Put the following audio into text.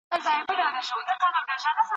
که تعلیم وي نو ماشوم نه بې لارې کیږي.